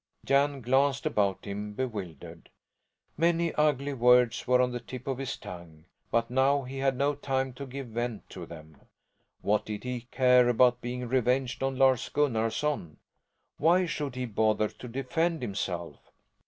Jan glanced about him, bewildered. Many ugly words were on the tip of his tongue, but now he had no time to give vent to them. What did he care about being revenged on Lars Gunnarson? Why should he bother to defend himself?